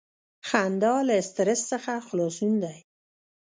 • خندا له سټریس څخه خلاصون دی.